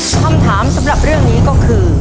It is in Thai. คำถามสำหรับเรื่องนี้ก็คือ